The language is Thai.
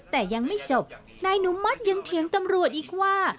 แต่ยังไม่จบนายนุมัติยังเถียงตำรวจอีกว่า